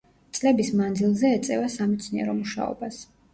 წლების მანძილზე ეწევა სამეცნიერო მუშაობას.